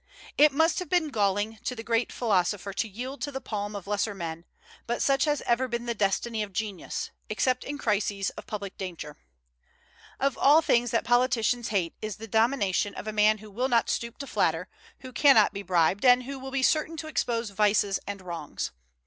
It must have been galling to the great philosopher to yield the palm to lesser men; but such has ever been the destiny of genius, except in crises of public danger. Of all things that politicians hate is the domination of a man who will not stoop to flatter, who cannot be bribed, and who will be certain to expose vices and wrongs.